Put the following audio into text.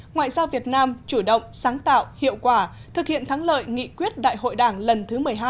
ngoại giao việt nam chủ động sáng tạo hiệu quả thực hiện thắng lợi nghị quyết đại hội đảng lần thứ một mươi hai